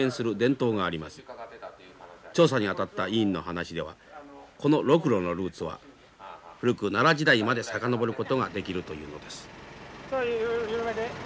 調査にあたった委員の話ではこのロクロのルーツは古く奈良時代まで遡ることができるというのです。